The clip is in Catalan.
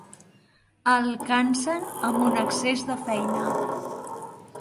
El cansen amb un excés de feina.